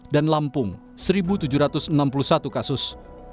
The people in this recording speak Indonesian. dan lampung satu tujuh ratus enam puluh satu kasus